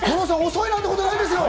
遅いなんてことないですよ！